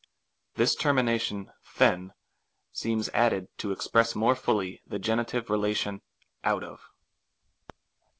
This termination &ev seems added to express more fully the genitive relation (out of).